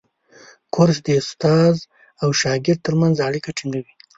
کورس د استاد او شاګرد ترمنځ اړیکه ټینګوي.